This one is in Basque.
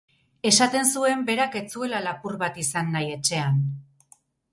Esaten zuen berak ez zuela lapur bat izan nahi etxean.